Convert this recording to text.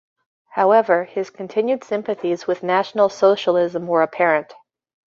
However, his continued sympathies with National Socialism were apparent.